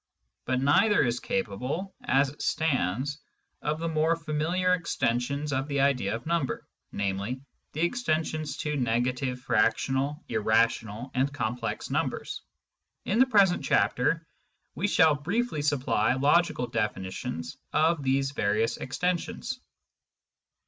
But neither is capable, as it stands, of the more familiar exten sions of the idea of number, namely, the extensions to negative, fractional, irrational, and complex numbers. In the present chapter we shall briefly supply logical definitions of these various extensions.